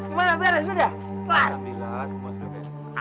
gimana beres sudah